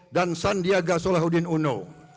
dan sandiaga salihuddin uno